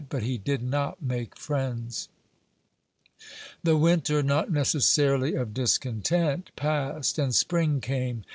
But he did not make friends. The winter, not necessarily of discontent, passed and spring came.